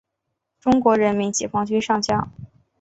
中国人民解放军上将。